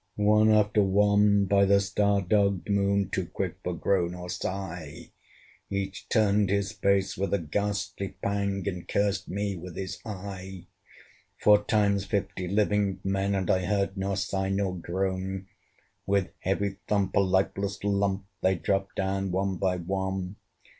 One after one, by the star dogged Moon Too quick for groan or sigh, Each turned his face with a ghastly pang, And cursed me with his eye. Four times fifty living men, (And I heard nor sigh nor groan) With heavy thump, a lifeless lump, They dropped down one by one.